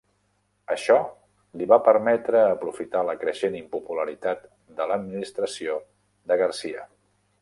Això li va permetre aprofitar la creixent impopularitat de l'administració de García.